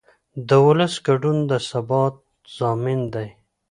د ولس ګډون د ثبات ضامن دی